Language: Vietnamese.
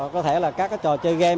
có thể là các trò chơi game